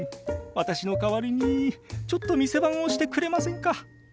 私の代わりにちょっと店番をしてくれませんか？